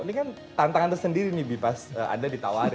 ini kan tantangan tersendiri nih bi pas anda ditawarin